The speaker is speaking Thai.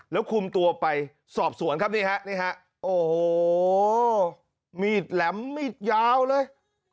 แล้วคุมตัวไปสอบสวนครับนี่ฮะนี่ฮะโอ้โหมีดแหลมมีดยาวเลย